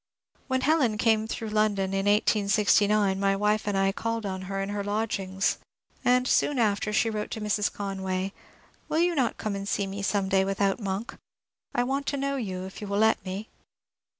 When Helen came throogh London in 1869 my wife and I called on her in her lodgings, and soon after she wrote to Mrs. Conway, ^^Will you not come and see me some day without Monk? I want to know you, if you will let me."